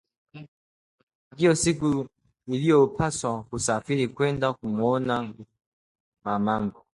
Ndiyo siku niliyopaswa kusafiri kwenda kumwona mamangu